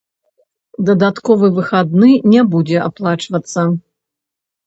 Дадатковы выхадны не будзе аплачвацца.